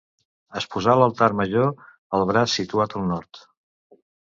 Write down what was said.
Es posà l'altar major al braç situat al nord.